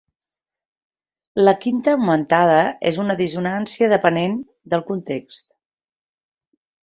La quinta augmentada és una dissonància dependent del context.